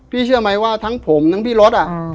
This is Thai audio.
พี่เชื่อไหมว่าทั้งผมและพี่รถอะ